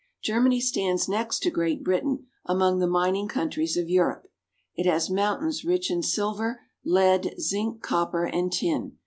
Germany stands next to Great Britain among the mining countries of Europe. It has mountains rich in silver, lead, zinc, copper, and tin.